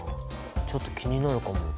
ちょっと気になるかも。